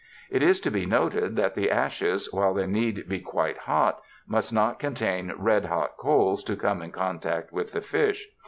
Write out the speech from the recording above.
It is to be noted that the ashes, while they need to be quite hot, must not con tain redhot coals to come in contact with the fish.